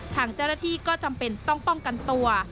ทางเจ้าหน้าที่ก็จำเป็นต้องป้องกันตัว